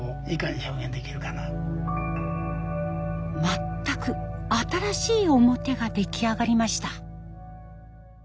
全く新しい面が出来上がりました。